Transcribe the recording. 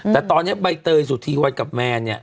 แต่ตอนนี้ใบเตยสุธีวันกับแมนเนี่ย